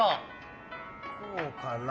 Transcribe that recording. こうかな？